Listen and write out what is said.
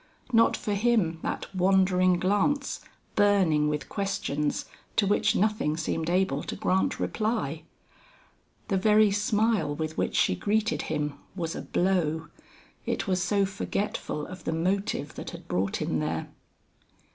Not for him that wandering glance, burning with questions to which nothing seemed able to grant reply. The very smile with which she greeted him, was a blow; it was so forgetful of the motive that had brought him there.